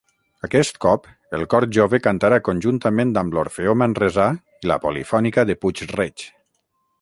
Aquest cop el Cor Jove cantarà conjuntament amb l'Orfeó Manresà i la Polifònica de Puig-reig.